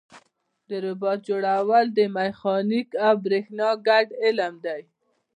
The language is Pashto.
د روبوټ جوړول د میخانیک او برېښنا ګډ علم دی.